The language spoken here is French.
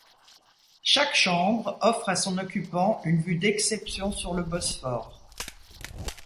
Chaque chambre offre à son occupant une vue d'exception sur le Bosphore.